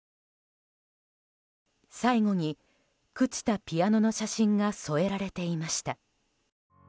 最後に、朽ちたピアノの写真が添えられていました。